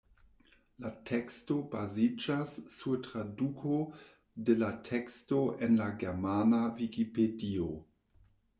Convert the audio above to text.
La teksto baziĝas sur traduko de la teksto en la germana vikipedio.